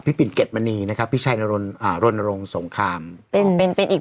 ปิ่นเก็ดมณีนะครับพี่ชัยนรนอ่ารณรงค์สงครามเป็นเป็นเป็นอีก